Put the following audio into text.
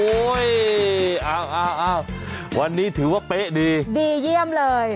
โอ้โหอ้าวอ้าวอ้าววันนี้ถือว่าเป๊ะดีดีเยี่ยมเลย